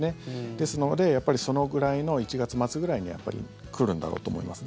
ですので、やっぱりそのぐらいの１月末ぐらいに来るんだろうと思います。